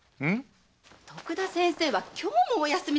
徳田先生は今日もお休みなのですよ。